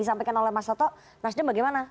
disampaikan oleh mas soto nasdem bagaimana